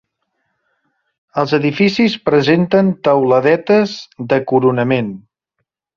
Els edificis presenten teuladetes de coronament.